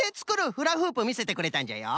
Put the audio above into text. フラフープみせてくれたんじゃよ。